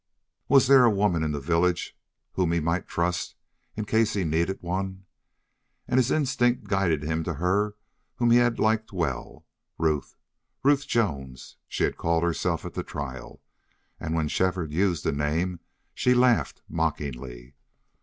Was there a woman in the village whom he might trust, in case he needed one? And his instinct guided him to her whom he had liked well Ruth. Ruth Jones she had called herself at the trial, and when Shefford used the name she laughed mockingly.